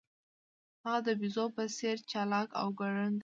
هغه د بیزو په څیر چلاک او ګړندی و.